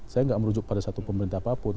saya nggak merujuk pada satu pemerintah apapun